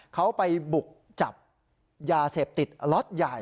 เขาไปบุกจับยาเสพติดล็อตใหญ่